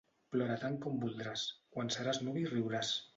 Plora tant com voldràs; quan seràs nuvi riuràs.